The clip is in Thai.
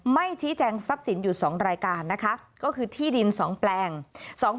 ไม่ชี้แจงทรัพย์สินอยู่๒รายการนะคะก็คือที่ดิน๒แปลง